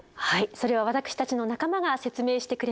それは私たちの仲間が説明してくれます。